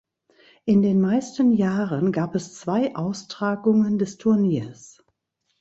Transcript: In den meisten Jahren gab es zwei Austragungen des Turniers.